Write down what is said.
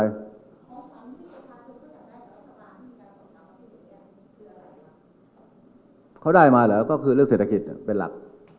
เขาได้มาแล้วก็คือเรื่องเศรษฐกิจเป็นหลัก